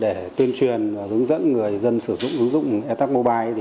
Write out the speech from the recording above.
để tuyên truyền và hướng dẫn người dân sử dụng ứng dụng e tac mobile